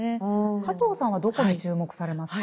加藤さんはどこに注目されますか。